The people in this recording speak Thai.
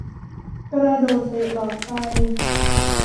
กระโดดเตะหลอดไฟ